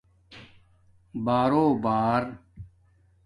بارݸ بݳر